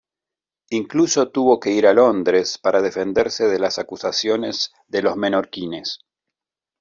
Incluso tuvo que ir a Londres para defenderse de las acusaciones de los menorquines.